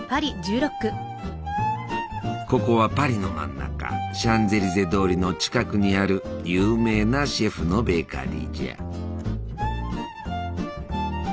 ここはパリの真ん中シャンゼリゼ通りの近くにある有名なシェフのベーカリーじゃ。